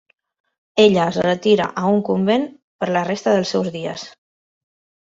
Ella es retira a un convent per la resta dels seus dies.